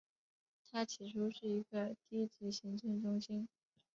它起初是一个低级行政中心。